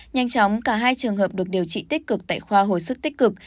nhanh chóng cả hai trường hợp được điều trị tích cực tại khoa hồi sức tích cực